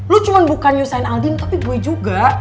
lo cuma bukan nyusahin aldin tapi gue juga